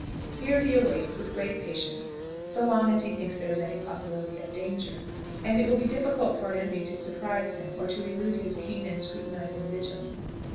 Here he awaits with great patience so long as he thinks there is any possibility of danger, and it will be difficult for an enemy to surprise him or to elude his keen and scrutinizing vigilance.